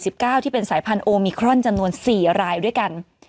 ที่เป็นสายพันธุมิครอนจำนวนสี่รายด้วยกัน